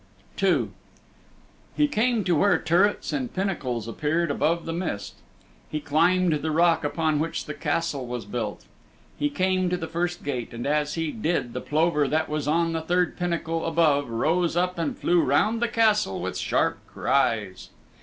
II He came to where turrets and pinnacles appeared above the mist. He climbed the rock upon which the Castle was built. He came to the first gate, and as he did the plover that was on the third pinnacle above rose up and flew round the Castle with sharp cries.